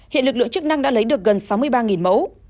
hiện lực lượng chức năng đã lấy được gần sáu mươi ba mẫu